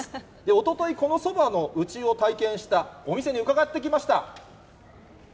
おととい、このそばの打ちを体験したお店にうかがってきました。